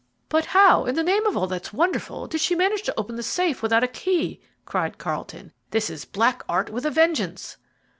"But how, in the name of all that's wonderful, did she manage to open the safe without a key?" cried Carlton. "This is black art with a vengeance."